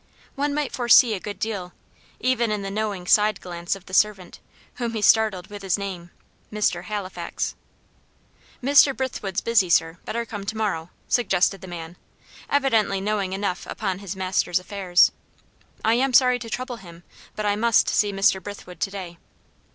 One might foresee a good deal even in the knowing side glance of the servant, whom he startled with his name, "Mr. Halifax." "Mr. Brithwood's busy, sir better come to morrow," suggested the man evidently knowing enough upon his master's affairs. "I am sorry to trouble him but I must see Mr. Brithwood to day."